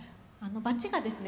バチがですね